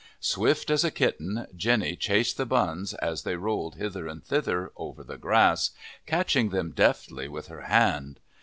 Swift as a kitten, Jenny chased the buns, as they rolled, hither and thither, over the grass, catching them deftly with her hand.